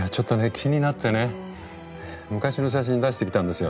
気になってね昔の写真出してきたんですよ。